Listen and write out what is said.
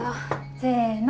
せの。